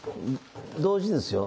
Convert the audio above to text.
同時ですよ。